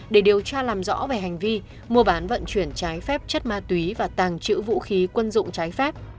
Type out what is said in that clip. để điều tra làm rõ về hành vi mua bán vận chuyển trái phép chất ma túy và tàng trữ vũ khí quân dụng trái phép